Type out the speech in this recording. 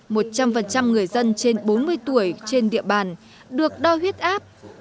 một trăm phần trăm người dân trên bốn mươi tuổi trên địa bàn được đo huyết áp